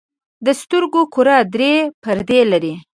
د سترګو کره درې پردې لري.